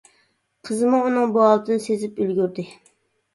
قىزمۇ ئۇنىڭ بۇ ھالىتىنى سېزىپ ئۈلگۈردى.